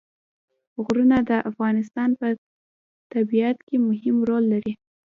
غرونه د افغانستان په طبیعت کې مهم رول لري.